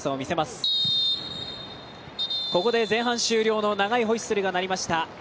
ここで、前半終了の長いホイッスルが鳴りました。